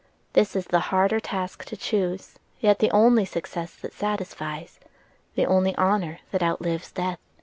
This is the harder task to choose, yet the only success that satisfies, the only honor that outlives death.